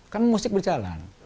kan musik berjalan